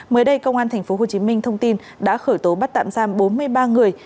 mới đây công an tp hcm thông tin đã khởi tố bắt tạm giam bốn mươi ba người